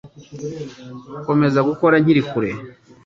Komeza gukora nkiri kure.